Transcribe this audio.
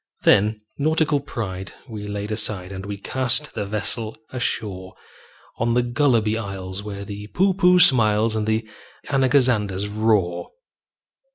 Then nautical pride we laid aside, And we cast the vessel ashore On the Gulliby Isles, where the Poohpooh smiles, And the Anagazanders roar.